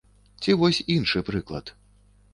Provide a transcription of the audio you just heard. Ці вось іншы прыклад.